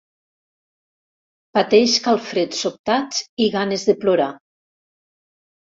Pateix calfreds sobtats i ganes de plorar.